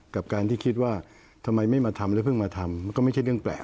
กับการที่คิดว่าทำไมไม่มาทำแล้วเพิ่งมาทำก็ไม่ใช่เรื่องแปลก